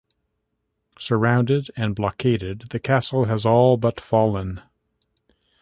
Surrounded and blockaded the Castle has all but fallen.